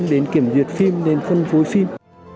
đến kiểm duyệt phim đến phân phối phim